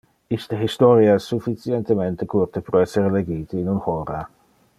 Iste historia es sufficientemente curte pro esser legite in un hora.